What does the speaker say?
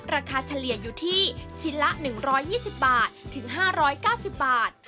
เฉลี่ยอยู่ที่ชิ้นละ๑๒๐บาทถึง๕๙๐บาท